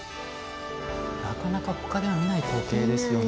なかなか他では見ない光景ですよね。